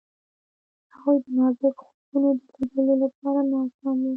هغوی د نازک خوبونو د لیدلو لپاره ناست هم وو.